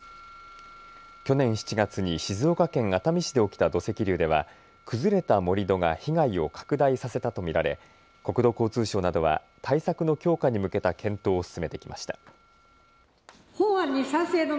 去年７月に静岡県熱海市で起きた土石流では崩れた盛り土が被害を拡大させたと見られ国土交通省などは対策の強化に向けた検討を進めてきました。